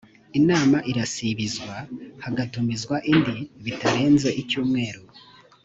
inama irasibizwa hagatumizwa indi bitarenze icyumweru